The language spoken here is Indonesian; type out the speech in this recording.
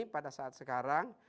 pada saat sekarang